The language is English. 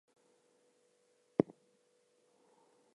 Why did the chicken cross the road?